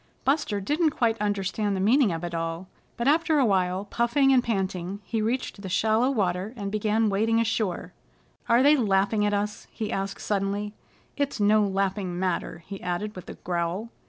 Buster didn't quite understand the meaning of it all, but after a while, puffing and panting, he reached shallow water, and began wading ashore. "Are they laughing at us?" he asked suddenly. "It's no laughing matter," he added with a growl.